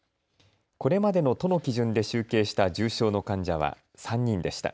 これまでの都の基準で集計した重症の患者は３人でした。